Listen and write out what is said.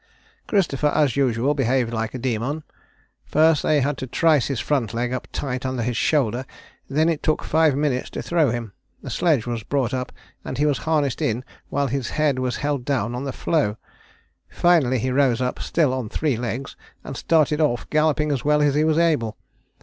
Christopher, as usual, behaved like a demon. First they had to trice his front leg up tight under his shoulder, then it took five minutes to throw him. The sledge was brought up and he was harnessed in while his head was held down on the floe. Finally he rose up, still on three legs, and started off galloping as well as he was able.